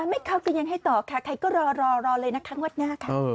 ไม่เข้ากันยังให้ต่อค่ะใครก็รอรอเลยนะคะงวดหน้าค่ะ